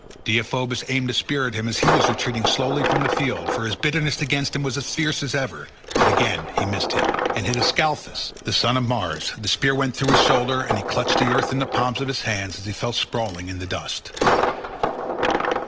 Deiphobus aimed a spear at him as he was retreating slowly from the field, for his bitterness against him was as fierce as ever, but again he missed him, and hit Ascalaphus, the son of Mars; the spear went through his shoulder, and he clutched the earth in the palms of his hands as he fell sprawling in the dust.